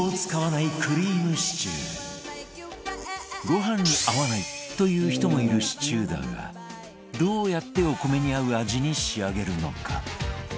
ご飯に合わないという人もいるシチューだがどうやってお米に合う味に仕上げるのか？